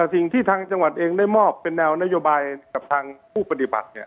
สิ่งที่ทางจังหวัดเองได้มอบเป็นแนวนโยบายกับทางผู้ปฏิบัติเนี่ย